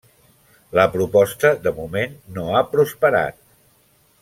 La proposta de moment no ha prosperat.